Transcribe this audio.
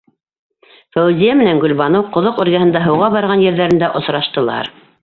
Фәүзиә менән Гөлбаныу ҡоҙоҡ эргәһендә һыуға барған ерҙәрендә осраштылар.